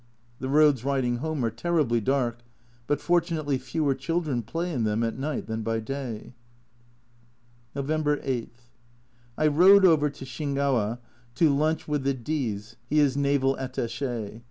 The roads riding home are terribly dark, but fortunately fewer children play in them at night than by day. November 8. I rode over to Shingawa to lunch A Journal from Japan 233 with the D s (he is Naval Attache).